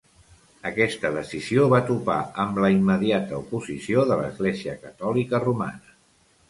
Aquesta decisió va topar amb la immediata oposició de l'Església Catòlica Romana.